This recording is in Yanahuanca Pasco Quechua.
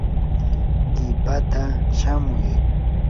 qipaata shamuy.